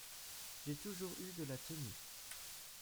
J’ai toujours eu de la tenue !